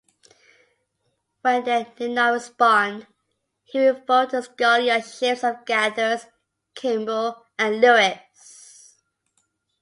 When they did not respond, he revoked the scholarships of Gathers, Kimble, and Lewis.